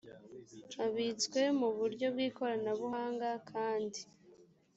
abitswe mu buryo bw ikoranabuhanga kandi